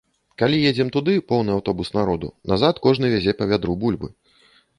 Калі едзем туды, поўны аўтобус народу, назад кожны вязе па вядру бульбы.